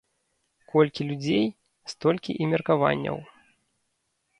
Колькі людзей, столькі і меркаванняў.